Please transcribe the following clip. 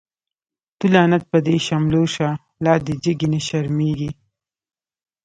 تو لعنت په دی شملو شه، لادی جگی نه شرمیږی